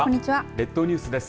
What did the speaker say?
列島ニュースです。